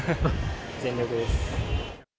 全力です。